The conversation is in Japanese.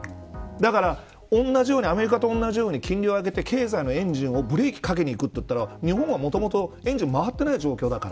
だから、アメリカと同じように金利を上げて経済のエンジンをブレーキかけにいくといったら日本は、もともとエンジン回ってない状況だから。